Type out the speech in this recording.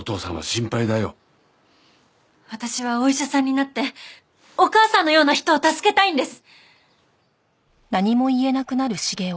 私はお医者さんになってお母さんのような人を助けたいんです。